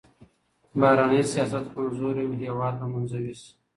که بهرنی سياست کمزوری وي هيواد به منزوي سي.